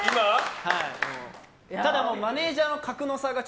ただ、マネジャーの格の差が。